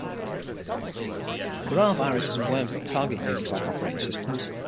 There are viruses and worms that target Unix-like operating systems.